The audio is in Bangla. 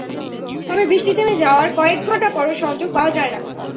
তবে বৃষ্টি থেমে যাওয়ার কয়েক ঘণ্টা পরও সংযোগ পাওয়া যায় না।